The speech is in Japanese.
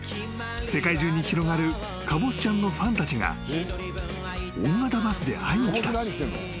［世界中に広がるかぼすちゃんのファンたちが大型バスで会いに来た］